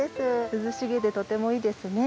涼しげでとてもいいですね。